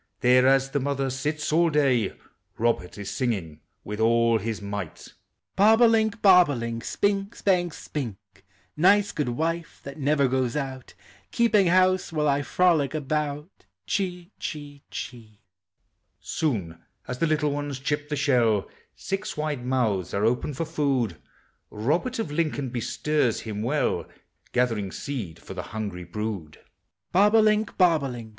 There as the mother sits all day, Robert is singing with all his might : Bob o' link, bob o' link. Spink', spank, spink ; Nice good wife, lliat never goes out. Keeping house while 1 frolic about. Cbee, chee, chee. Soon as the little ones chip the shell Six wide niouihs are open for Pood : Robert of Lincoln bestirs him well, Gathering seed for the hungrj in I. Bob oMink, bob o' link.